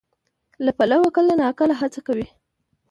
له پلوه کله ناکله هڅه کوي،